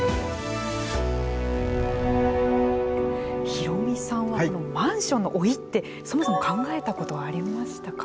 ヒロミさんはこのマンションの老いってそもそも考えたことはありましたか。